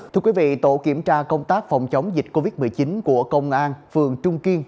thưa quý vị tổ kiểm tra công tác phòng chống dịch covid một mươi chín của công an phường trung kiên